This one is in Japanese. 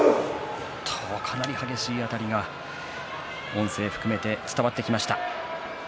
かなり激しいあたりが音声を含めて伝わってきました。